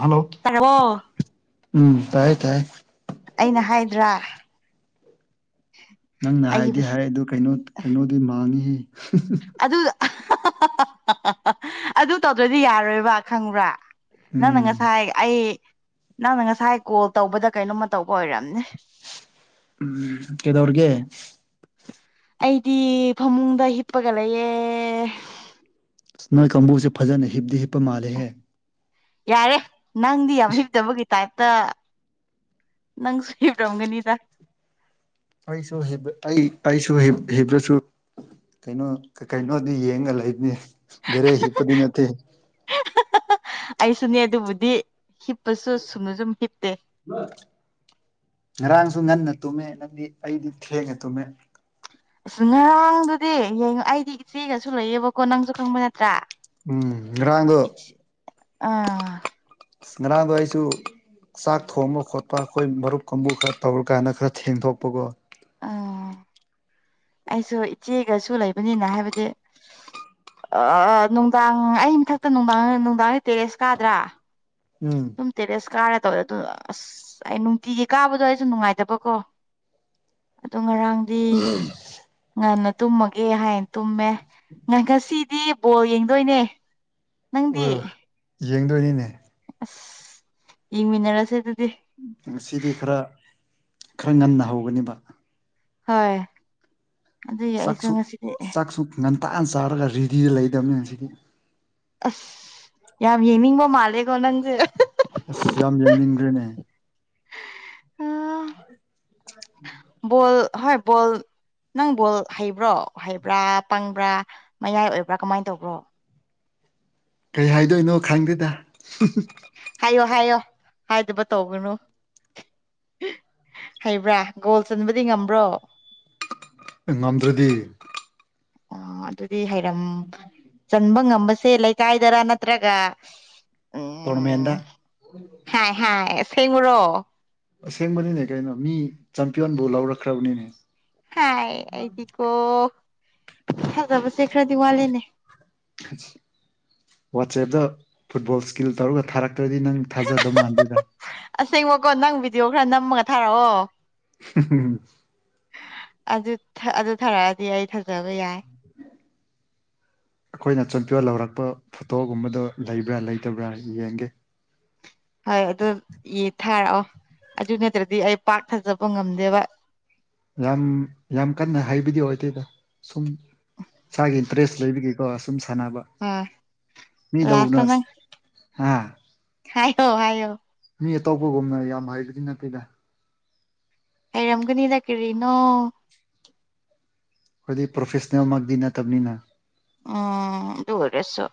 Hello ꯇꯥꯔꯕꯣ ꯎꯝ ꯇꯥꯏ ꯇꯥꯏ ꯑꯩꯅ ꯍꯥꯏꯗ꯭ꯔꯥ ꯅꯪ ꯅ ꯑꯩꯒꯤ ꯍꯥꯏꯗꯤ ꯄꯩꯁꯥ ꯍꯥꯏ ꯑꯗꯨ ꯀꯩꯅꯣ ꯀꯩꯅꯣꯗꯤ ꯃꯥꯡꯉꯤꯍ‌ꯦ ꯑꯗꯨ ꯑꯗꯨ ꯇꯧꯗ꯭ꯔꯗꯤ ꯌꯥꯔꯣꯏꯕ ꯈꯪꯕ꯭ꯔꯥ ꯅꯪꯅ ꯎꯝ ꯉꯁꯥꯏ ꯑꯩ ꯅꯪꯅ ꯉꯁꯥꯏ ꯀꯣꯜ ꯇꯧꯕꯗ ꯀꯩꯅꯣꯝꯃ ꯇꯧꯕ ꯑꯣꯏꯔꯝꯅꯦ ꯎꯝ ꯀꯩꯗꯧꯔꯤꯒ‌ꯦ ꯑꯩꯗꯤ ꯐꯃꯨꯡꯗ ꯍꯤꯞꯄꯒ ꯂꯩꯌꯦ ꯅ‌ꯣꯏ ꯀꯥꯡꯕꯨꯁꯦ ꯐꯖꯅ ꯍꯤꯞꯗꯤ ꯍꯤꯞꯄ ꯃꯥꯜꯂꯦꯍꯦ ꯌꯥꯔꯦ ꯅꯪꯗꯤ ꯌꯥꯝ ꯍꯤꯞꯇꯕꯒꯤ ꯇꯥꯏꯞꯇ ꯅꯪ ꯁꯨ ꯍꯤꯞꯔꯝꯒꯅꯤꯗꯥ ꯑꯩꯁꯨ ꯍꯤꯞ ꯑꯩ ꯑꯩꯁꯨ ꯍꯤꯞ ꯍꯤꯞꯔꯁꯨ ꯀꯩꯅꯣ ꯀꯩꯀꯩꯅꯣꯗꯤ ꯌꯦꯡꯉ ꯂꯩꯕꯅꯤ ꯗ‌ꯦꯔꯦꯛ ꯍꯤꯞꯄꯗꯤ ꯅꯠꯇꯦ ꯑꯩꯁꯨꯅꯦ ꯑꯗꯨꯕꯨꯗꯤ ꯍꯤꯞꯄꯁꯨ ꯁꯨꯝꯅ ꯁꯨꯝ ꯍꯤꯞꯇꯦ [unintelligible] ꯉꯔꯥꯡꯁꯨ ꯉꯟꯅ ꯇꯨꯝꯃꯦ ꯅꯪꯗꯤ ꯑꯩꯗꯤ ꯊꯦꯡꯉ ꯇꯨꯝꯃꯦ ꯑꯁ ꯉꯔꯥꯡꯗꯨꯗꯤ ꯌꯩ ꯑꯩꯗꯤ ꯏꯆꯦꯒꯁꯨ ꯂꯩꯌꯦꯕꯀꯣ ꯅꯪꯁꯨ ꯈꯪꯕ ꯅꯠꯇ꯭ꯔꯥ ꯎꯝ ꯉꯥꯔꯥꯡꯗ‌ꯣ ꯑꯥ ꯉꯔꯥꯡꯗ‌ꯣ ꯑꯩꯁꯨ ꯆꯥꯛ ꯊꯣꯡꯕ ꯈꯣꯠꯄ ꯑꯩꯈꯣꯏ ꯃꯔꯨꯞ ꯀꯥꯡꯕꯨ ꯈꯔ ꯇꯧꯔꯀꯥꯟꯗ ꯈꯔ ꯊꯦꯡꯗꯣꯛꯄꯒꯣ ꯑꯥ ꯑꯩꯁꯨ ꯏꯆꯦꯒꯁꯨ ꯂꯩꯕꯅꯤꯅ ꯍꯥꯏꯕꯗꯤ ꯑꯥ ꯅꯨꯡꯗꯥꯡ ꯑꯩ ꯃꯊꯛꯇ ꯅꯨꯡꯗꯥꯡ ꯅꯨꯡꯗꯥꯡ ꯇꯦꯔꯦꯁ ꯀꯥꯗ꯭ꯔꯥ ꯎꯝ ꯑꯗꯨꯝ ꯇꯦꯔꯦꯁ ꯀꯥꯔ ꯇꯧꯋꯦ ꯑꯗꯨ ꯑꯁ ꯑꯩ ꯅꯨꯡꯇꯤꯒꯤ ꯀꯥꯕꯗꯣ ꯑꯩꯁꯨ ꯅꯨꯡꯉꯥꯏꯇꯕꯀꯣ ꯑꯗꯨ ꯉꯔꯥꯡꯗꯤ ꯉꯟꯅ ꯇꯨꯝꯃꯒꯦ ꯍꯥꯏꯟ ꯇꯨꯝꯃꯦ ꯉ ꯉꯁꯤꯗꯤ ꯕꯣꯜ ꯌꯦꯡꯗꯣꯏꯅꯦ ꯅꯪꯗꯤ ꯌꯦꯡꯗꯣꯏꯅꯤꯅꯦ ꯑꯁ ꯌꯦꯡꯃꯤꯟꯅꯔꯁꯦ ꯑꯗꯨꯗꯤ ꯉꯁꯤꯗꯤ ꯈꯔ ꯈꯔ ꯉꯟꯅ ꯍꯧꯒꯅꯤꯕ ꯍꯣꯏ ꯑꯗꯨꯏ ꯑꯩꯁꯨ ꯆꯥꯛꯁꯨ ꯉꯁꯤꯗꯤ ꯆꯥꯛꯁꯨ ꯉꯟꯇꯥꯅ ꯆꯥꯔꯒ ꯔꯤꯗꯤ ꯂꯩꯗꯝꯅꯦ ꯍꯧꯖꯤꯛꯇꯤ ꯑꯁ ꯌꯥꯝ ꯌꯦꯡꯅꯤꯡꯕ ꯃꯥꯂꯦꯀꯣ ꯅꯪꯁꯦ ꯑꯁ ꯌꯥꯝ ꯌꯦꯡꯅꯤꯡꯈ꯭ꯔꯦꯅꯦ ꯎꯝ [unintelligible] ꯕꯣꯜ ꯍꯣꯏ ꯕꯣꯜ ꯅꯪ ꯕꯣꯜ ꯍꯩꯕ꯭ꯔꯣ ꯍꯩꯕ꯭ꯔꯥ ꯄꯪꯕ꯭ꯔꯥ ꯃꯌꯥꯏ ꯑꯣꯏꯕ꯭ꯔꯥ ꯀꯃꯥꯏ ꯇꯧꯕ꯭ꯔꯣ? ꯀꯩ ꯍꯥꯏꯗꯣꯏꯅꯣ ꯈꯪꯗꯦꯗ ꯍꯥꯏꯌꯣ ꯍꯥꯏꯌꯣ ꯍꯥꯏꯗꯕ ꯇꯧꯒꯅꯨ꯫ ꯍꯩꯕ꯭ꯔꯥ ꯒꯣꯜ ꯆꯟꯕꯗꯤ ꯉꯝꯕ꯭ꯔꯣ? ꯑꯦ ꯉꯝꯗ꯭ꯔꯗꯤ ꯑꯣ ꯑꯗꯨꯗꯤ ꯍꯩꯔꯝ ꯆꯟꯕ ꯉꯝꯕꯁꯦ ꯂꯩꯀꯥꯏꯗꯔ ꯅꯠꯇ꯭ꯔꯒ ꯇꯣꯔꯃꯦꯟꯗ ꯎꯝ ꯍꯥꯏ ꯍꯥꯏ ꯑꯁꯦꯡꯕꯔꯣ? ꯑꯁꯦꯡꯕꯅꯤꯅꯦ ꯀꯩꯅꯣ ꯃꯤ ꯆꯦꯝꯄꯤꯌꯟꯕꯨ ꯂꯧꯔꯛꯈ꯭ꯔꯕꯅꯤꯅꯦ ꯍꯥꯏ ꯑꯩꯗꯤꯀꯣ ꯊꯥꯖꯕꯁꯦ ꯈꯔꯗꯤ ꯋꯥꯠꯂꯦꯅꯦ꯫ ꯋꯥꯆꯦꯞꯇ ꯐꯨꯠꯕꯣꯜ ꯏꯁꯀꯤꯜ ꯇꯧꯔꯒ ꯊꯥꯔꯛꯇ꯭ꯔꯗꯤ ꯅꯪ ꯊꯥꯖꯗꯧ ꯃꯥꯟꯗꯦꯗ ꯑꯁꯦꯡꯕꯀꯣ ꯅꯪ ꯚꯤꯗꯤꯑꯣ ꯈꯔ ꯅꯝꯃꯒ ꯊꯥꯔꯛꯑꯣ ꯍꯨꯝ ꯎꯝ ꯑꯗꯨ ꯊ ꯑꯗꯨ ꯊꯥꯔꯛꯑꯗꯤ ꯑꯩ ꯊꯥꯖꯕ ꯌꯥꯏ ꯑꯩꯈꯣꯏꯅ ꯆꯦꯝꯄꯤꯌꯣ ꯂꯧꯔꯛꯄ ꯐꯣꯇꯣꯒꯨꯝꯕꯗꯣ ꯂꯩꯕ꯭ꯔꯥ ꯂꯩꯇꯕ꯭ꯔꯥ ꯌꯦꯡꯒꯦ꯫ ꯍꯣꯏ ꯑꯗꯨ ꯌꯦ ꯊꯥꯔꯛꯑꯣ ꯑꯗꯨ ꯅꯠꯇ꯭ꯔꯗꯤ ꯑꯩ ꯄꯥꯛ ꯊꯥꯖꯕ ꯉꯝꯗꯦꯕ꯫ ꯌꯥꯝ ꯌꯥꯝ ꯀꯟꯅ ꯍꯩꯕꯗꯤ ꯑꯣꯏꯗꯦꯗ ꯁꯨꯝ ꯏꯁꯥꯒꯤ ꯏꯟꯇꯔꯦꯁ ꯂꯩꯕꯒꯤꯀꯣ ꯁꯨꯝ ꯁꯥꯟꯅꯕ ꯑꯥ ꯃꯤ ꯂꯥꯁꯇ ꯗꯧꯅ ꯅꯪ ꯍꯥꯥ ꯍꯥꯏꯌꯣ ꯍꯥꯏꯌꯣ ꯃꯤ ꯑꯇꯣꯞꯄꯒꯨꯝꯅ ꯌꯥꯝ ꯍꯩꯕꯗꯤ ꯅꯠꯇꯦꯗ ꯍꯩꯔꯝꯒꯅꯤꯗ ꯀꯔꯤꯅꯣ ꯑꯩꯈꯣꯏꯗꯤ ꯄ꯭ꯔꯣꯐꯦꯁꯅꯦꯜꯃꯛꯇꯤ ꯅꯠꯇꯕꯅꯤꯅ ꯎꯝ ꯑꯗꯨ ꯑꯣꯏꯔꯁꯨ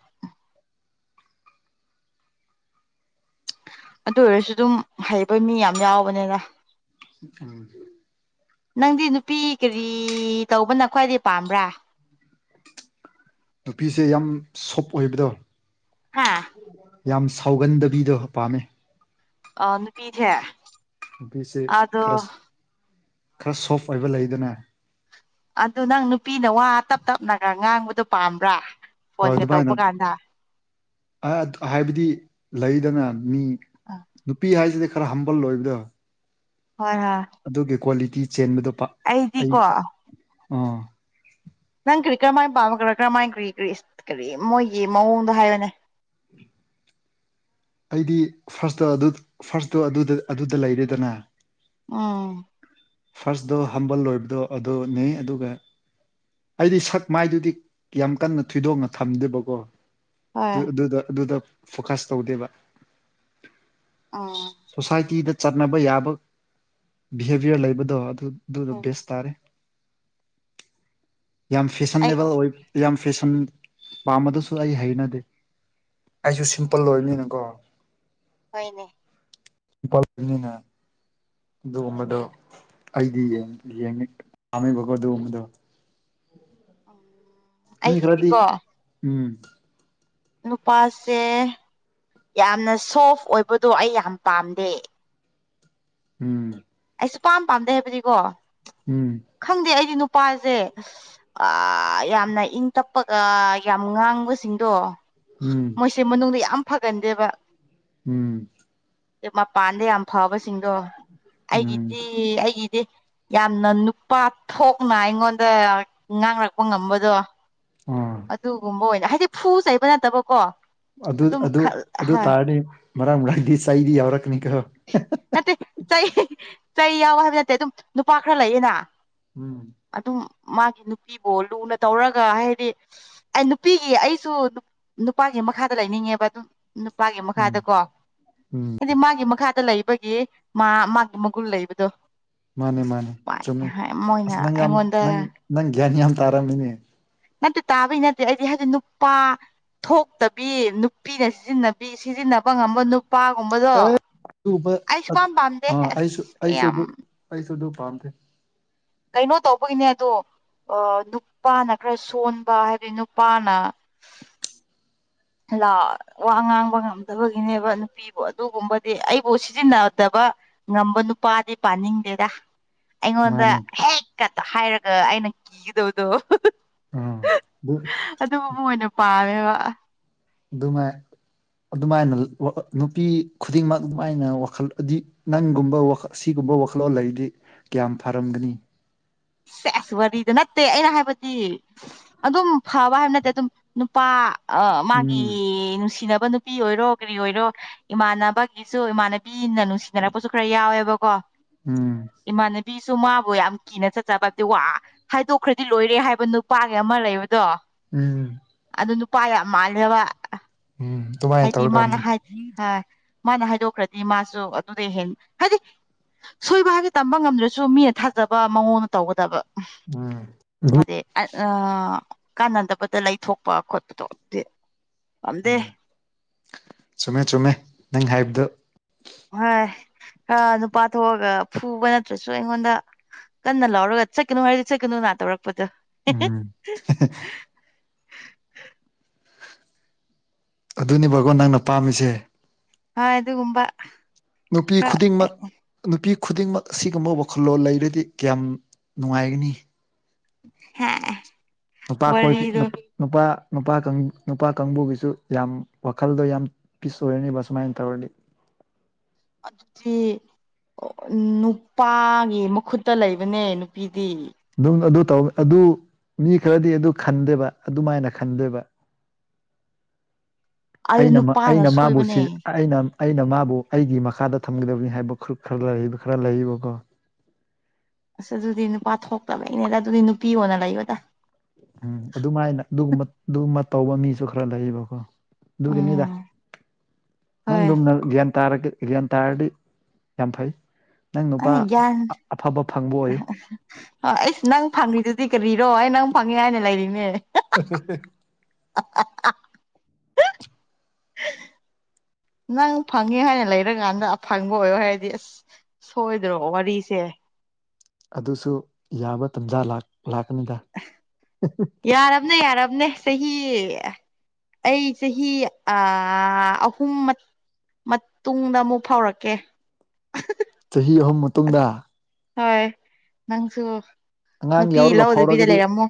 ꯑꯗꯨ ꯑꯣꯏꯔꯁꯨ ꯗꯨꯝ ꯍꯩꯕ ꯃꯤ ꯌꯥꯝ ꯌꯥꯎꯕꯅꯤꯗ ꯎꯝ ꯅꯪꯗꯤ ꯅꯨꯄꯤ ꯀꯔꯤ ꯇꯧꯕꯅ ꯈ꯭ꯋꯥꯏꯗꯩꯩ ꯄꯥꯝꯕ꯭ꯔꯥ? ꯅꯨꯄꯤꯁꯦ ꯌꯥꯝ ꯁꯣꯞ ꯑꯣꯏꯕꯗꯣ꯫ ꯍꯥꯥ ꯌꯥꯝ ꯁꯥꯎꯒꯟꯗꯕꯤꯗꯣ ꯄꯥꯝꯃꯦ꯫ ꯑ ꯅꯨꯄꯤꯁꯦ ꯅꯨꯄꯤꯁꯦ ꯑꯗꯣ ꯈꯔ ꯈꯔ ꯁꯣꯐ ꯑꯣꯏꯕ ꯂꯩꯗꯅ ꯑꯗꯨ ꯅꯪ ꯅꯨꯄꯤꯅ ꯋꯥ ꯇꯞ ꯇꯞꯅꯒ ꯉꯥꯡꯕꯗꯣ ꯄꯥꯝꯕ꯭ꯔꯥ ꯍꯣ ꯐꯣꯟꯒ ꯇꯧꯕ ꯑꯗꯨꯃꯥꯏꯅ ꯀꯥꯟꯗ ꯑꯥ ꯍꯥꯏꯕꯗꯤ ꯂꯩꯗꯅ ꯃꯤ ꯅꯨꯄꯤ ꯍꯥꯏꯁꯤꯗꯤ ꯈꯔ ꯍꯝꯕꯜ ꯑꯣꯏꯕꯗꯣ ꯍꯣꯏ ꯍꯣꯏ ꯑꯗꯨꯒꯤ ꯀ꯭ꯋꯥꯂꯤꯇꯤ ꯆꯦꯟꯕꯗꯣ ꯄꯥꯛ ꯑꯩ ꯑꯩꯗꯤꯀꯣ ꯑꯥ ꯅꯪ ꯀꯔꯤ ꯀꯔꯝꯃꯥꯏꯅ ꯄꯥꯝꯕ ꯀꯔ ꯀꯔꯝꯃꯥꯏ ꯀꯔꯤ ꯀꯔꯤ ꯀꯔꯤ ꯃꯣꯏꯒꯤ ꯃꯑꯣꯡꯗꯣ ꯍꯥꯏꯌꯦꯅꯦ ꯑꯩꯗꯤ ꯐꯥꯔꯁꯇꯥ ꯑꯗꯨ ꯐꯥꯔꯁꯇꯣ ꯑꯗꯨꯗ ꯑꯗꯨꯗ ꯂꯩꯔꯦꯗꯅ ꯎꯝ ꯐꯥꯔꯁꯗꯣ ꯍꯝꯕꯜ ꯂꯣꯏꯕꯗꯣ ꯑꯗꯨꯅꯦ ꯑꯗꯨꯒ ꯑꯩꯗꯤ ꯁꯛ ꯃꯥꯏꯗꯨꯗꯤ ꯌꯥꯝ ꯀꯟꯅ ꯊꯣꯏꯗꯣꯛꯅ ꯊꯝꯗꯦꯕꯀꯣ ꯍꯣꯏ ꯑꯗꯨꯗ ꯑꯗꯨꯗ ꯐꯣꯀꯁ ꯇꯧꯗꯦꯕ ꯑꯥ ꯁꯣꯁꯥꯏꯇꯤꯗ ꯆꯠꯅꯕ ꯌꯥꯕ ꯕꯤꯍꯦꯚꯤꯌꯔ ꯂꯩꯕꯗꯣ ꯑꯗꯨ ꯑꯗꯨꯗꯣ ꯎꯝ ꯕꯦꯁ ꯇꯥꯔꯦ ꯌꯥꯝ ꯑꯩ ꯐꯦꯁꯟꯅꯦꯕꯜ ꯑꯣꯏ ꯌꯥꯝ ꯐꯦꯁꯟ ꯄꯥꯝꯕꯗꯨꯁꯨ ꯑꯩ ꯍꯩꯅꯗꯦ ꯑꯩꯁꯨ ꯁꯤꯝꯄꯜ ꯑꯣꯏꯅꯤꯅꯀꯣ ꯍꯣꯏꯅꯦ [unintelligible] ꯑꯗꯨꯒꯨꯝꯕꯗꯣ ꯑꯩꯗꯤ [unintelligible] ꯄꯥꯝꯃꯦꯕꯀꯣ ꯑꯗꯨꯒꯨꯝꯕꯗꯣ ꯎꯝ ꯃꯤ ꯈꯔꯗꯤ ꯑꯩꯒꯤꯗꯤꯀꯣ ꯎꯝ ꯅꯨꯄꯥꯁꯦ ꯌꯥꯝꯅ ꯁꯣꯐ ꯑꯣꯏꯕꯗꯣ ꯑꯩ ꯌꯥꯝ ꯄꯥꯝꯗꯦ ꯎꯝ ꯑꯩ ꯁꯨꯛꯄꯥꯝ ꯄꯥꯝꯗꯦ ꯍꯥꯏꯕꯗꯤꯀꯣ ꯎꯝ ꯈꯪꯗꯦ ꯑꯩꯗꯤ ꯅꯨꯄꯥꯖꯦ ꯑꯥ ꯌꯥꯝꯅ ꯏꯪ ꯇꯞꯄꯒ ꯌꯥꯝ ꯉꯥꯡꯕꯁꯤꯡꯗꯣ ꯎꯝ ꯁꯤ ꯃꯅꯨꯡꯗ ꯌꯥꯝ ꯐꯒꯟꯗꯦꯕ ꯎꯝ ꯃꯄꯥꯟꯗ ꯌꯥꯝ ꯐꯕꯁꯤꯡꯗꯣ ꯎꯝ ꯑꯩꯒꯤꯗꯤ ꯑꯩꯒꯤꯗꯤ ꯌꯥꯝꯅ ꯅꯨꯄꯥ ꯊꯣꯛꯅ ꯑꯩꯉꯣꯟꯗ ꯉꯥꯡꯔꯛꯄ ꯉꯝꯕꯗꯣ ꯑꯥ ꯑꯗꯨꯒꯨꯝꯕ ꯑꯣꯏꯅ ꯍꯥꯏꯗꯤ ꯐꯨ ꯆꯩꯕ ꯅꯠꯇꯕꯀꯣ ꯑꯗꯨ ꯑꯗꯨꯝ ꯑꯗꯨ ꯑꯗꯨ ꯍꯣꯏ ꯇꯥꯔꯅꯤ ꯃꯔꯥꯛ ꯃꯔꯥꯛꯗꯤ ꯆꯩꯗꯤ ꯌꯥꯎꯔꯛꯀꯅꯤ ꯀꯣ ꯅꯠꯇꯦ ꯆꯩ ꯆꯩ ꯌꯥꯎꯋꯦ ꯍꯥꯏꯕ ꯅꯠꯇꯦ ꯑꯗꯨꯝ ꯅꯨꯄꯥ ꯈꯔ ꯂꯩꯌꯦꯅ ꯎꯝ ꯑꯗꯨꯝ ꯃꯥꯒꯤ ꯅꯨꯄꯤꯕꯨ ꯂꯨꯅ ꯇꯧꯔꯒ ꯍꯥꯏꯗꯤ ꯑꯩ ꯅꯨꯄꯤꯒꯤ ꯑꯩꯁꯨ ꯅꯨꯄꯥꯒꯤ ꯃꯈꯥꯗ ꯂꯩꯅꯤꯡꯉꯦꯕ ꯑꯗꯨꯝ ꯅꯨꯄꯥꯒꯤ ꯎꯝ ꯃꯈꯥꯗꯀꯣ ꯎꯝ ꯍꯥꯏꯗꯤ ꯃꯥꯒꯤ ꯃꯈꯥꯗ ꯂꯩ ꯕꯒꯤ ꯃꯥ ꯃꯥꯒꯤ ꯃꯒꯨꯟ ꯂꯩꯕꯗꯣ ꯃꯥꯅꯦ ꯃꯥꯅꯦ ꯆꯨꯝꯃꯦ ꯑꯁ ꯃꯣꯏꯅ ꯅꯪ ꯌꯥꯝ ꯑꯩꯉꯣꯟꯗ ꯅꯪ ꯅꯪ ꯒ꯭ꯌꯥꯟ ꯌꯥꯝ ꯇꯥꯔꯝꯃꯦꯅꯦ ꯅꯠꯇꯦ ꯇꯥꯕꯩ ꯅꯠꯇꯦ ꯑꯩꯗꯤ ꯍꯥꯏꯗꯤ ꯅꯨꯄꯥ ꯊꯣꯛꯇꯕꯤ ꯅꯨꯄꯤꯅ ꯁꯤꯖꯤꯟꯅꯕꯤ ꯁꯤꯖꯤꯟꯅꯕ ꯉꯝꯕ ꯅꯨꯄꯥꯒꯨꯝꯕꯗꯣ ꯑꯦ [unintelligible] ꯑꯩ ꯁꯨꯄꯥꯝ ꯄꯥꯝꯗꯦ ꯑꯩꯁꯨ ꯑꯁ ꯑꯩꯁꯨ ꯌꯥꯝ ꯑꯗꯨ ꯑꯩꯁꯨ ꯑꯗꯨ ꯄꯥꯝꯗꯦ ꯀꯩꯅꯣ ꯇꯧꯕꯒꯤꯅꯦ ꯑꯗꯣ ꯑꯥ ꯅꯨꯄꯥꯅ ꯈꯔ ꯁꯣꯟꯕ ꯍꯥꯏꯕꯗꯤ ꯅꯨꯄꯥꯅ ꯂꯥ ꯋꯥ ꯉꯥꯡꯕ ꯉꯝꯗꯕꯒꯤꯅꯦꯕ ꯅꯨꯄꯤ ꯑꯗꯨꯒꯨꯝꯕꯗꯤ ꯑꯩꯕꯨ ꯁꯤꯖꯤꯟꯅꯗꯕ ꯉꯝꯕ ꯅꯨꯄꯥꯗꯤ ꯄꯥꯅꯤꯡꯗꯦꯗ ꯑꯩꯉꯣꯟꯗ ꯃꯥꯅꯦ ꯍꯦꯛ ꯀ ꯍꯥꯏꯔꯒ ꯑꯩꯅ ꯀꯤꯒꯗꯕꯗꯣ ꯎꯝ ꯑꯗꯨꯝꯒꯨꯝꯕ ꯑꯣꯏꯅ ꯄꯥꯝꯃꯦꯕ ꯑꯗꯨꯃꯥꯏ ꯑꯗꯨꯃꯥꯏꯅ ꯅꯨꯄꯤ ꯈꯨꯗꯤꯡꯃꯛ ꯑꯗꯨꯃꯥꯏꯅ ꯋꯥꯈꯜ ꯑꯗꯤ ꯅꯪꯒꯨꯝꯕ ꯋꯥꯈ ꯁꯤꯒꯨꯝꯕ ꯋꯥꯈꯜꯂꯣꯟ ꯂꯩꯔꯗꯤ ꯀꯌꯥꯝ ꯐꯔꯝꯒꯅꯤ ꯁꯦꯁ ꯋꯥꯔꯤꯗꯣ ꯅꯠꯇꯦ ꯑꯩꯅ ꯍꯥꯏꯕꯗꯤ ꯑꯗꯨꯝ ꯐꯕ ꯍꯥꯏꯕ ꯅꯠꯇꯦ ꯑꯗꯨꯝ ꯅꯨꯄꯥ ꯑ ꯃꯥꯒꯤ ꯎꯝ ꯅꯨꯡꯁꯤꯅꯕ ꯅꯨ ꯄꯤ ꯑꯣꯏꯔꯣ ꯀꯔꯤ ꯑꯣꯏꯔꯣ ꯏꯃꯥꯟꯅꯕꯒꯤꯁꯨ ꯏꯃꯥꯟ ꯄꯤꯅ ꯅꯨꯡꯁꯤꯅꯔꯛꯄꯁꯨ ꯈꯔ ꯌꯥꯎꯋꯦꯕꯀꯣ ꯎꯝ ꯏꯃꯥꯟꯅꯕꯤꯁꯨ ꯃꯥꯕꯨ ꯌꯥꯝ ꯀꯤꯅ ꯆꯠ ꯖꯥꯕꯗꯤ ꯋꯥ ꯍꯥꯏꯗꯣꯛꯈ꯭ꯔꯗꯤ ꯂꯣꯏꯔꯦ ꯍꯥꯏꯕ ꯅꯨꯄꯥꯒꯤ ꯑꯃ ꯂꯩꯕꯗꯣ ꯎꯝ ꯑꯗꯨ ꯅꯨꯄꯥ ꯌꯥꯝ ꯃꯥꯜꯂꯦꯕ ꯎꯝ ꯑꯗꯨꯃꯥꯏꯅ ꯍꯥꯏꯗꯤ ꯃꯥꯅ ꯇꯧꯒꯗꯕꯅꯤ ꯍꯥꯏ ꯍꯥ ꯃꯥꯅ ꯍꯥꯏꯗꯣꯛꯈ꯭ꯔꯗꯤ ꯃꯥꯁꯨ ꯑꯗꯨꯗꯩ ꯍꯦꯟ ꯍꯥꯏꯗꯤ ꯁꯣꯏꯕ ꯍꯥꯏꯒꯦ ꯇꯝꯕ ꯉꯝꯗ꯭ꯔꯁꯨ ꯃꯤꯅ ꯊꯥꯖꯕ ꯃꯉꯣꯟꯗ ꯇꯧꯒꯗꯕ ꯎꯝ ꯑꯗꯤ ꯑꯥ ꯀꯥꯟꯅꯗꯕꯗ ꯂꯩꯊꯣꯛꯄ ꯈꯣꯠꯄꯗꯣ ꯑꯗꯤ ꯎꯝ ꯆꯨꯝꯃꯦ ꯆꯨꯝꯃꯦ ꯅꯪ ꯍꯥꯏꯕꯗꯨ ꯍꯣꯏ ꯑꯥ ꯅꯨꯄꯥ ꯊꯣꯛꯑꯒ ꯐꯨꯕ ꯅꯠꯇ꯭ꯔꯁꯨ ꯑꯩꯉꯣꯟꯗ ꯀꯟꯅ ꯂꯥꯎꯔꯒ ꯆꯠꯀꯅꯨ ꯍꯥꯏꯔꯗꯤ ꯆꯠꯀꯅꯨꯅꯥ ꯇꯧꯔꯛꯄꯗꯣ ꯎꯝ ꯑꯗꯨꯅꯦꯕꯒꯣ ꯅꯪꯅ ꯄꯥꯝꯃꯤꯁꯦ ꯍꯣꯏ ꯗꯨꯒꯨꯝꯕꯥ ꯅꯨꯄꯤ ꯈꯨꯗꯤꯡꯃꯛ ꯅꯨꯄꯤ ꯈꯨꯗꯤꯡꯃꯛ ꯑꯁꯤꯒꯨꯝꯕ ꯋꯥꯈꯜꯂꯣꯟ ꯂꯩꯔꯗꯤ ꯀꯌꯥꯝ ꯅꯨꯡꯉꯥꯏꯒꯅꯤ ꯅꯨꯄꯥ ꯈꯣꯏ ꯋꯥꯔꯤꯗꯣ ꯅꯨꯞ ꯅꯨꯄꯥ ꯅꯨꯄꯥ ꯀꯪ ꯅꯨꯄꯥ ꯀꯥꯡꯕꯨꯒꯤꯁꯨ ꯌꯥꯝ ꯋꯥꯈꯜꯗꯣ ꯌꯥꯝ ꯄꯤꯁ ꯑꯣꯏꯔꯅꯤꯕ ꯁꯨꯃꯥꯏꯟ ꯇꯧꯔꯗꯤ ꯑꯗꯨꯗꯤ ꯑꯣ ꯅꯨꯄꯥꯒꯤ ꯃꯈꯨꯠꯇ ꯂꯩꯕꯅꯦ ꯅꯨꯄꯤꯗꯤ ꯑꯗꯨꯝ ꯑꯗꯨ ꯇꯧ ꯑꯗꯨ ꯃꯤ ꯈꯔꯗꯤ ꯑꯗꯨ ꯈꯟꯗꯦꯕ ꯑꯗꯨꯃꯥꯏꯅ ꯈꯟꯗꯦꯕ ꯑꯩ ꯑꯩꯅ ꯃ ꯅꯨꯄꯥꯅ ꯑꯩꯅ ꯃꯥꯕꯨ ꯁꯣꯏꯕꯅꯦ ꯁꯤ ꯑꯩꯅ ꯑꯩꯅ ꯃꯥꯕꯨ ꯑꯩꯒꯤ ꯃꯈꯥꯗ ꯊꯝꯒꯗꯕꯅꯤ ꯍꯥꯏꯕ ꯈꯨꯔꯨꯞ ꯈꯔ ꯂꯩꯔꯤꯕ ꯈꯔ ꯂꯩꯔꯤꯕꯀꯣ ꯑꯁ ꯑꯗꯨꯗꯤ ꯅꯨꯄꯥ ꯊꯣꯛꯇꯕꯩꯅꯦꯗ ꯑꯗꯨꯗꯤ ꯅꯨꯄꯤ ꯑꯣꯏꯅ ꯂꯩꯌꯣꯗ ꯎꯝ ꯑꯗꯨꯃꯥꯏꯅ ꯑꯗꯨꯒꯨꯝꯕ ꯑꯗꯨꯒꯨꯝꯃ ꯇꯧꯕ ꯃꯤꯁꯨ ꯈꯔ ꯂꯩꯌꯦꯕꯀꯣ ꯑꯗꯨꯒꯤꯅꯤꯗ ꯎꯝ ꯍꯣꯏ ꯅꯪꯗꯨꯝꯅ ꯒ꯭ꯌꯥꯟ ꯇꯥꯔꯒ ꯒ꯭ꯌꯥꯟ ꯇꯥꯔꯗꯤ ꯌꯥꯝ ꯐꯩ ꯅꯪ ꯅꯨꯄꯥ ꯑꯩ ꯒ꯭ꯌꯥꯟ ꯑꯐꯕ ꯐꯪꯕ ꯑꯣꯏꯌꯨ [inaudible] ꯑꯩꯁ ꯅꯪ ꯐꯪꯔꯤꯗꯨꯗꯤ ꯀꯔꯤꯔꯣ ꯑꯩ ꯅꯪ ꯐꯪꯉꯦ ꯍꯥꯏꯅ ꯂꯩꯔꯤꯅꯦ [inaudible] ꯑ ꯅꯪ ꯐꯪꯉꯦ ꯍꯥꯏꯅ ꯂꯩꯔꯒꯥꯟꯗ ꯐꯪꯕ ꯑꯣꯏꯌꯣ ꯍꯥꯏꯔꯗꯤ ꯑꯁ ꯁꯣꯏꯗ꯭ꯔꯣ ꯋꯥꯔꯤꯁꯦ ꯑꯗꯨꯁꯨ ꯌꯥꯕ ꯇꯥꯟꯖꯥ ꯂꯥꯛ ꯂꯥꯛꯀꯅꯤꯗ ꯌꯥꯔꯕꯅꯦ ꯌꯥꯔꯕꯅꯦ ꯆꯍꯤ ꯑꯩ ꯆꯍꯤ ꯑꯥ ꯑꯍꯨꯝ ꯃ ꯃꯇꯨꯡꯗ ꯑꯃꯨꯛ ꯐꯥꯎꯔꯛꯀꯦ ꯆꯍꯤ ꯑꯃꯥ ꯍꯣꯏ ꯅꯪꯁꯨ ꯑꯉꯥꯡ ꯅꯨꯄꯤ ꯌꯥꯎꯔꯒ ꯂꯧꯗꯕꯤꯗ ꯐꯥꯎꯔꯒꯗꯤ ꯂꯩꯔꯝꯃꯣ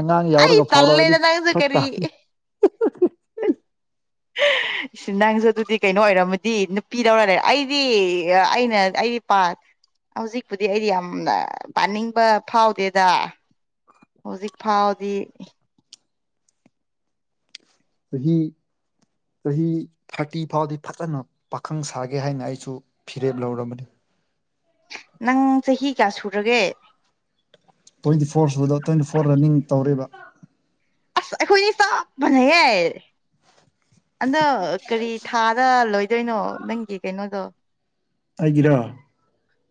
ꯑꯉꯥꯡ ꯑꯩ ꯌꯥꯎꯔꯒ ꯐꯥꯎꯔꯛꯑꯗꯤ ꯇꯜꯂꯦꯗ ꯅꯪꯁꯦ ꯐꯔꯛ ꯀꯔꯤ ꯇꯥꯅꯤ [unintelligible] ꯅꯪꯁꯨ ꯑꯗꯨꯗꯤ ꯀꯩꯅꯣ ꯑꯣꯏꯔꯝꯃꯗꯤ ꯅꯨꯄꯤꯗꯧꯔ ꯂꯩ ꯑꯩꯗꯤ ꯑꯩꯅ ꯑꯩ ꯄꯥ ꯍꯧꯖꯤꯛꯄꯨꯗꯤ ꯑꯩ ꯌꯥꯝꯅ ꯄꯥꯅꯤꯡꯕ ꯐꯥꯎꯗꯦꯗ ꯍꯧꯖꯤꯛ ꯐꯥꯎꯗꯤ ꯆꯍꯤ ꯆꯍꯤ ꯊꯥꯔꯇꯤ ꯐꯥꯎꯗꯤ ꯐꯖꯅ ꯄꯥꯈꯪ ꯁꯥꯒꯦ ꯍꯥꯏꯅ ꯑꯩꯁꯨ ꯐꯤꯔꯦꯞ ꯂꯧꯔꯕꯅꯤ ꯅꯪ ꯆꯍꯤ ꯀꯌꯥ ꯁꯨꯔꯒꯦ ꯇꯣꯏꯋꯦꯟꯇꯤ ꯐꯣꯔ ꯁꯨꯕꯗꯣ ꯇꯣꯏꯋꯦꯟꯇꯤ ꯐꯣꯔꯗ ꯅꯤꯡ ꯇꯧꯔꯦꯕ ꯑꯩꯈꯣꯏꯅꯤ ꯆꯞ ꯃꯅꯩꯍꯦ ꯑꯗꯣ ꯀꯔꯤ ꯊꯥꯗ ꯂꯣꯏꯗꯣꯏꯅꯣ ꯅꯪꯒꯤ ꯀꯩꯅꯣꯗꯣ ꯑꯩꯒꯤꯔꯣ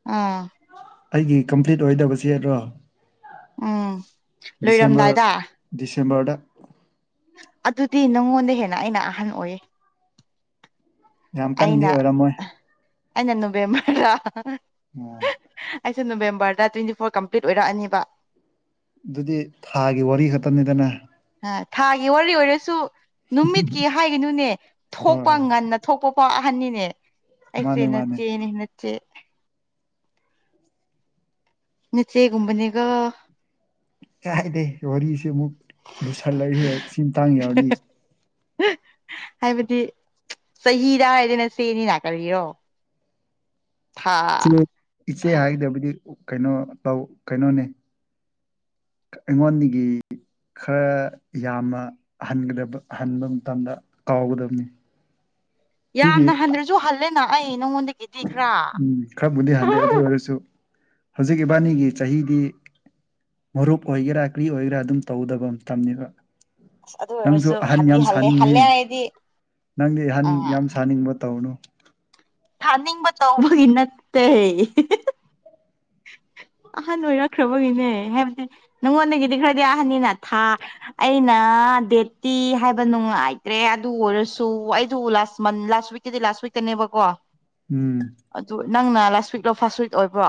ꯎꯝ ꯑꯩꯒꯤ ꯀꯝꯄꯂꯤꯠ ꯑꯣꯏꯗꯕꯁꯦꯔꯣ ꯎꯝ ꯗꯤꯁꯦꯝꯕꯔ ꯂꯣꯏꯔꯝꯗꯥꯏꯗ ꯗꯤꯁꯦꯝꯕꯔꯗ ꯑꯗꯨꯗꯤ ꯅꯪꯉꯣꯟꯗꯩ ꯍꯦꯟꯅ ꯑꯩꯅ ꯑꯍꯟ ꯑꯣꯏꯌꯦ ꯌꯥꯝ ꯀꯟꯗꯤ ꯑꯩꯅ ꯑꯣꯏꯔꯝꯃꯣꯏ ꯑꯩꯅ ꯅꯣꯕꯦꯝꯕꯔꯗ ꯑꯣ ꯑꯩꯁꯨ ꯅꯣꯕꯦꯝꯕꯔꯗ ꯇꯀꯏꯋꯦꯟꯇꯤ ꯐꯣꯔ ꯀꯝꯄꯂꯤꯠ ꯑꯣꯏꯔꯛꯑꯅꯤꯕ ꯑꯗꯨꯗꯤ ꯊꯥꯒꯤ ꯋꯥꯔꯤ ꯈꯛꯇꯅꯤꯗꯅ ꯑꯥ ꯊꯥꯒꯤ ꯋꯥꯔꯤ ꯑꯣꯏꯔꯁꯨ ꯅꯨꯃꯤꯠꯀꯤ ꯍꯥꯏꯒꯅꯨꯅꯦ ꯍꯣꯏ ꯊꯣꯛꯄ ꯍꯣꯏ ꯉꯟꯅ ꯊꯣꯛꯄꯐꯥꯎ ꯑꯍꯟꯅꯤꯅꯦ ꯑꯩꯁꯦ ꯃꯥꯅꯦ ꯃꯥꯅꯦ ꯅꯠꯆꯦꯅꯦ ꯅꯠꯆꯦ ꯅꯠꯆꯦꯒꯨꯝꯕꯅꯤꯒꯣ ꯀꯥꯏꯗꯩ ꯋꯥꯔꯤꯁꯦ ꯑꯃꯨꯛ ꯂꯨꯁꯜꯂꯛꯏꯍꯦ ꯁꯤꯃꯇꯥꯡ ꯌꯧꯔꯗꯤ [unintelligible] ꯍꯥꯏꯕꯗꯤ ꯆꯍꯤꯗ ꯍꯥꯏꯔꯗꯅ ꯁꯤꯅꯤꯅ ꯀꯔꯤꯔꯣ ꯊꯥ ꯏꯆꯦ ꯏꯆꯦ ꯍꯥꯏꯒꯗꯕꯗꯤ ꯀꯩꯅꯣ ꯇꯧ ꯀꯩꯅꯣꯅꯦ ꯑꯩꯉꯣꯟꯗꯒꯤ ꯈꯔ ꯌꯥꯝꯃ ꯍꯟꯒꯗꯕ ꯍꯟꯕ ꯃꯇꯝꯗ ꯀꯥꯎꯒꯗꯝꯅꯤ [unintelligible] ꯌꯥꯝꯅ ꯍꯟꯗꯔꯥꯁꯨ ꯍꯜꯂꯦꯅ ꯑꯩ ꯅꯪꯉꯣꯟꯗꯒꯤꯗꯤ ꯈꯔꯥ ꯎꯝ ꯈꯔꯕꯨꯗꯤ ꯍꯜꯂꯦ ꯑꯗꯨ ꯑꯣꯏꯔꯁꯨ ꯍꯧꯖꯤꯛ ꯏꯕꯥꯅꯤꯒꯤ ꯆꯍꯤꯗꯤ ꯃꯔꯨꯞ ꯑꯣꯏꯒꯦꯔꯥ ꯀꯔꯤ ꯑꯣꯏꯒꯦꯔꯥ ꯑꯗꯨꯝ ꯇꯧꯗꯕ ꯃꯇꯝꯅꯦꯕ ꯑꯁ ꯑꯗꯨ ꯅꯪꯁꯨ ꯑꯣꯏꯔꯁꯨ ꯑꯍꯟ ꯍꯟꯗꯤ ꯌꯥꯝ ꯍꯜꯂꯦ ꯁꯥꯅꯤꯡꯉꯤꯍꯦ ꯍꯜꯂꯦ ꯍꯥꯏꯗꯤ ꯅꯪꯗꯤ ꯑꯍꯟ ꯑ ꯌꯥꯝ ꯁꯥꯅꯤꯡꯕ ꯇꯧꯅꯨ ꯁꯥꯅꯤꯡꯕ ꯇꯧꯕꯒꯤ ꯅꯠꯇꯦ ꯑꯍꯟ ꯑꯣꯏꯔꯛꯈ꯭ꯔꯥꯕꯒꯤꯅꯦ ꯍꯥꯏꯕꯗꯤ ꯅꯪꯉꯣꯟꯗꯒꯤꯗꯤ ꯈꯔꯗꯤ ꯑꯍꯟꯅꯤꯅ ꯊꯥ ꯑꯩꯅ ꯗꯦꯠꯇꯤ ꯍꯥꯏꯕ ꯅꯨꯡꯉꯥꯏꯇ꯭ꯔꯦ ꯑꯗꯨ ꯑꯣꯏꯔꯁꯨ ꯑꯩꯗꯨ ꯂꯥꯁ ꯃꯟ ꯂꯥꯁ ꯋꯤꯛ ꯁꯤꯗꯤ ꯂꯥꯁ ꯋꯤꯛꯇꯅꯦꯕꯀꯣ ꯎꯝ ꯑꯗꯨ ꯅꯪꯅ ꯂꯥꯁ ꯋꯤꯛꯂꯣ ꯐꯥꯔꯁꯠ ꯋꯤꯛ ꯑꯣꯏꯕ꯭ꯔꯣ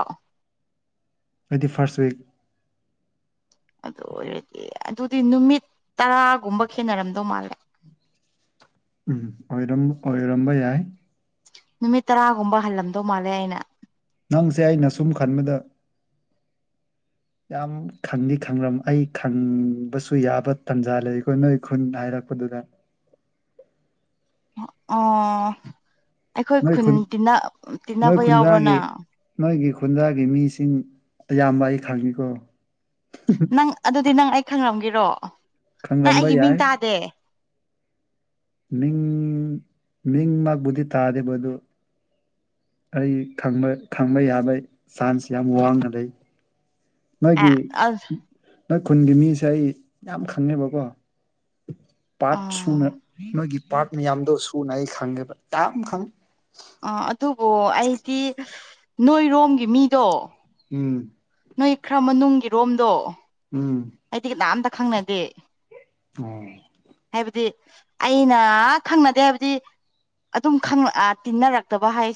ꯑꯩꯗꯤ ꯐꯔꯁ ꯋꯤꯛ ꯑꯗꯨ ꯑꯣꯏꯔꯗꯤ ꯑꯗꯨꯗꯤ ꯅꯨꯃꯤꯠ ꯇꯔꯥꯒꯨꯝꯕ ꯈꯦꯠꯅꯔꯝꯗꯧ ꯃꯥꯜꯂꯦ ꯎꯝ ꯑꯣꯏꯔꯝ ꯑꯣꯏꯔꯝꯕ ꯌꯥꯏ ꯅꯨꯃꯤꯠ ꯇꯔꯥꯒꯨꯝꯕ ꯍꯜꯂꯝꯗꯧ ꯃꯥꯜꯂꯦ ꯑꯩꯅ ꯅꯪꯁꯦ ꯑꯩꯅ ꯁꯨꯝ ꯈꯟꯕꯗ ꯌꯥꯝ ꯈꯪꯗꯤ ꯈꯪꯂꯝ ꯑꯩ ꯈꯪꯕꯁꯨ ꯌꯥꯕ ꯇꯥꯟꯖꯥ ꯂꯩ ꯑꯩꯈꯣꯏ ꯅꯣꯏ ꯈꯨꯟ ꯍꯥꯏꯔꯛꯄꯗꯨꯗ ꯑꯣ ꯑꯩꯈꯣꯏ ꯈꯨꯟ ꯇꯤꯟꯅ ꯅꯣꯏ ꯇꯤꯟꯅꯕ ꯌꯥꯎꯕ꯭ꯔꯣꯅꯥ ꯈꯨꯟꯖꯥꯒꯤ ꯅꯣꯏꯒꯤ ꯈꯨꯟꯖꯒꯤ ꯃꯤꯁꯤꯡ ꯑꯌꯥꯝꯕ ꯑꯩ ꯈꯪꯉꯤꯀꯣ ꯅꯪ ꯑꯗꯨꯗꯤ ꯅꯪ ꯑꯩ ꯈꯪꯂꯝꯒꯤꯔꯣ ꯅꯪ ꯈꯪꯔꯝꯕ ꯑꯩꯒꯤ ꯃꯤꯡ ꯌꯥꯏ ꯇꯥꯗꯦ ꯃꯤꯡ ꯃꯤꯡ ꯃꯥꯕꯨꯗꯤ ꯇꯥꯗꯦꯕꯗꯨ ꯑꯩ ꯈꯪꯕ ꯈꯪꯕ ꯌꯥꯕ ꯆꯥꯟꯁ ꯌꯥꯝ ꯋꯥꯡꯅ ꯂꯩ ꯑꯦ ꯅꯣꯏꯒꯤ ꯑꯁ ꯅꯣꯏ ꯈꯨꯟꯒꯤ ꯃꯤꯁꯦ ꯑꯩ ꯌꯥꯝ ꯈꯪꯉꯦꯕꯀꯣ ꯄꯥꯠ ꯑꯥ ꯁꯨꯅ ꯅꯣꯏꯒꯤ ꯄꯥꯔꯠ ꯃꯌꯥꯝꯗꯣ ꯁꯨꯅ ꯑꯩ ꯈꯪꯉꯦꯕ ꯌꯥꯝ ꯈꯪ ꯑ ꯑꯗꯨꯕꯨ ꯑꯩꯗꯤ ꯅꯣꯏꯔꯣꯝꯒꯤ ꯃꯤꯗꯣ ꯎꯝ ꯅꯣꯏ ꯈꯔ ꯃꯅꯨꯡꯒꯤꯔꯣꯝꯗꯣ ꯎꯝ ꯑꯩꯗꯤ ꯀꯅꯥꯝꯇ ꯈꯪꯅꯗꯦ ꯑꯣ ꯍꯥꯏꯕꯗꯤ ꯑꯩꯅ ꯈꯪꯅꯗꯦ ꯍꯥꯏꯕꯗꯤ ꯑꯗꯨꯝ ꯈꯪ ꯑꯥ ꯇꯤꯟꯅꯔꯛꯇꯕ ꯍꯥꯏꯁꯦ